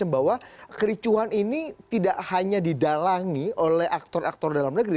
bahwa kericuhan ini tidak hanya didalangi oleh aktor aktor dalam negeri